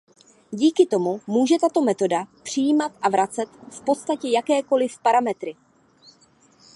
Díky tomu může tato metoda přijímat a vracet v podstatě jakékoliv parametry.